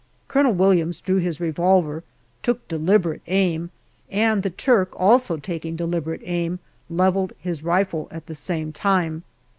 Colonel Williams drew his revolver, took deliberate aim, and the Turk, also taking deliberate aim, levelled his rifle at the same time.